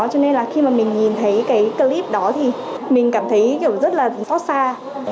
cho nên là khi mà mình nhìn thấy cái clip đó thì mình cảm thấy kiểu rất là xót xa